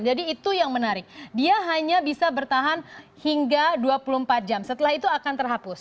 jadi itu yang menarik dia hanya bisa bertahan hingga dua puluh empat jam setelah itu akan terhapus